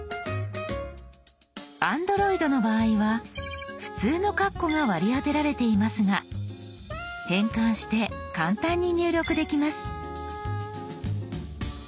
Ａｎｄｒｏｉｄの場合は普通のカッコが割り当てられていますが変換して簡単に入力できます。